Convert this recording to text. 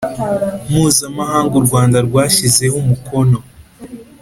Mpuzamahanga u rwanda rwashyizeho umukono